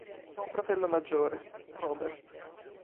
Ha un fratello maggiore, Robert.